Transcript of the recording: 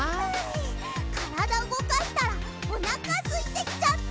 からだうごかしたらおなかすいてきちゃった！